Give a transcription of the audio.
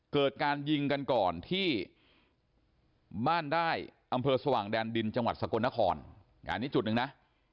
เกิดการยิงกันก่อนที่บ้านได้อำเภอสว่างแดนดินจังหวัดสกลนครอันนี้จุดหนึ่งนะ